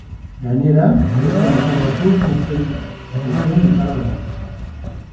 Gainera, beste metal batzuk urtzen dituen metala da.